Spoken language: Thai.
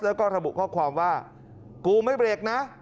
แล้วก็ระบุข้อความว่ากูไม่เบรกนะ